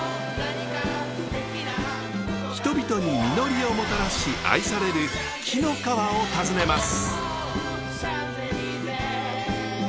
人々に実りをもたらし愛される紀の川を訪ねます。